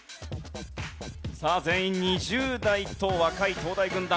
さあ全員２０代と若い東大軍団。